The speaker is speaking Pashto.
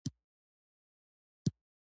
فاسټ فوډ خورئ؟ کله کله، لږ خورم